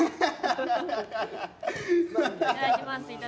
いただきます